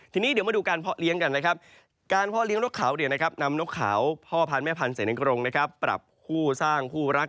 ทีนี้เดี๋ยวมาดูการพอเลี้ยงกัน